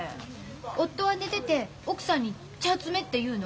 夫は寝てて奥さんに茶摘めっていうの？